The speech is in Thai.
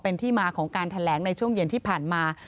เป็นที่มาของการแถลงในช่วงเย็นที่ผ่านมา